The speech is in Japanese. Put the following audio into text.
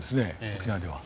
沖縄では。